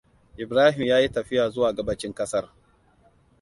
Ibrahim ya yi tafiya zuwa gabacin ƙasar.